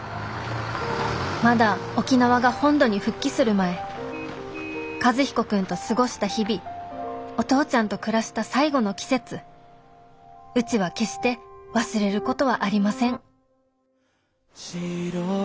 まだ沖縄が本土に復帰する前和彦君と過ごした日々お父ちゃんと暮らした最後の季節うちは決して忘れることはありません